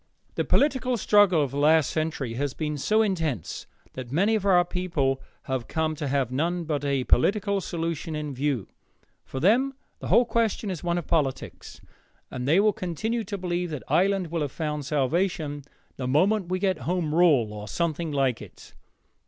The political struggle of the last century has been so intense that many of our people have come to have none but a political solution in view. For them the whole question is one of politics, and they will continue to believe that Ireland will have found salvation the moment we get Home Rule or something like it.